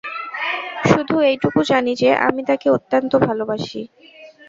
শুধু এইটুকু জানি যে, আমি তাকে অত্যন্ত ভালবাসি।